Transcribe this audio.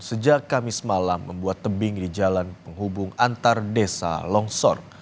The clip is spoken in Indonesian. sejak kamis malam membuat tebing di jalan penghubung antar desa longsor